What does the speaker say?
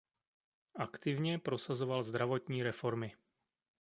Aktivně prosazoval zdravotní reformy.